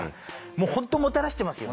もう本当もたらしてますよね。